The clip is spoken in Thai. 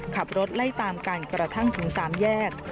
ขับรถไล่ตามกันกระทั่งถึง๓แยก